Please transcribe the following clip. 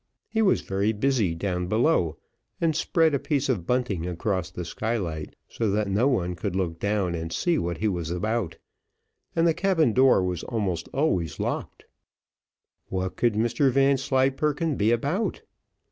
He was very busy down below, and spread a piece of bunting across the skylight, so that no one could look down and see what he was about, and the cabin door was almost always locked. What could Mr Vanslyperken be about?